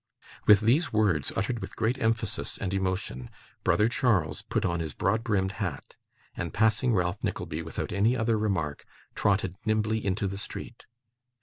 With these words, uttered with great emphasis and emotion, brother Charles put on his broad brimmed hat, and, passing Ralph Nickleby without any other remark, trotted nimbly into the street.